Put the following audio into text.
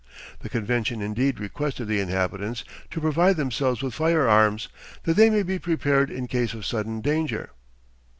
The convention indeed requested the inhabitants to "provide themselves with firearms, that they may be prepared in case of sudden danger."